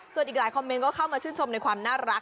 ส่วนอีกหลายคอมเมนต์ก็เข้ามาชื่นชมในความน่ารัก